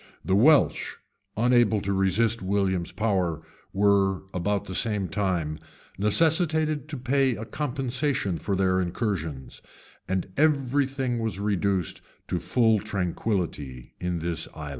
The Welsh, unable to resist William's power, were, about the same time, necessitated to pay a compensation for their incursions; and every thing was reduced to full tranquillity in this island.